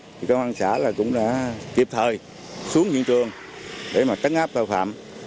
thì công an xã là cũng đã kịp thời xuống trường để mà tấn áp tội phạm